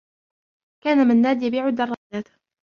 كان منّاد يبيع الدّرّاجات.